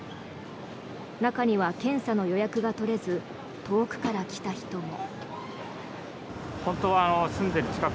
中には、検査の予約が取れず遠くから来た人も。